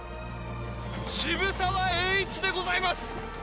渋沢栄一でございます。